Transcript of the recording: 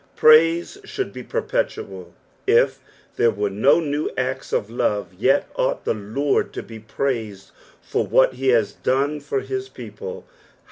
Praise should be perpetual. If there were no new acts of love, yet ought the Lord to be praised for what he has done for his people.